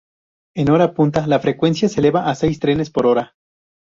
En hora punta la frecuencia se eleva a seis trenes por hora.